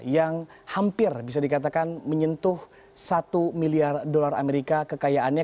yang hampir bisa dikatakan menyentuh satu miliar dolar amerika kekayaannya